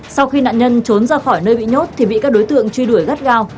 sau khi nạn nhân trốn ra khỏi nơi bị nhốt thì bị các đối tượng truy đuổi gắt gao